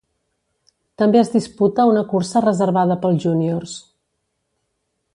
També es disputa una cursa reservada pels júniors.